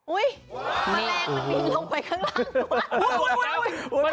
อุ๊ยแมลงมันบินลงไปข้างล่างนะโอ้โฮโฮ้โฮ้โฮ้